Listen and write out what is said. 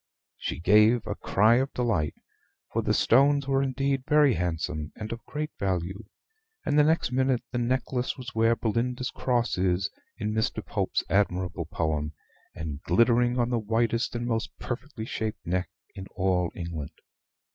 She gave a cry of delight, for the stones were indeed very handsome, and of great value; and the next minute the necklace was where Belinda's cross is in Mr. Pope's admirable poem, and glittering on the whitest and most perfectly shaped neck in all England.